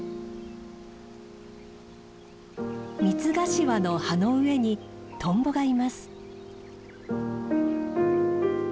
ミツガシワの葉の上にトンボがいます。